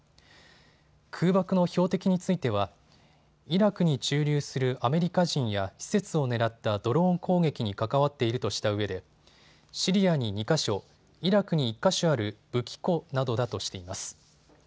空爆の標的についてはイラクに駐留するアメリカ人や施設を狙ったドローン攻撃に関わっているとしたうえでシリアに２か所、イラクに１か所ある武器庫などだとしています。